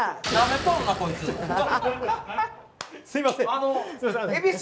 すいません。